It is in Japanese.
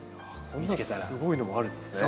こんなすごいのもあるんですね。